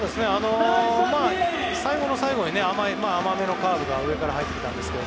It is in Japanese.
最後の最後に甘めのカーブが上から入ってきたんですが。